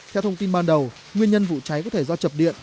theo thông tin ban đầu nguyên nhân vụ cháy có thể do chập điện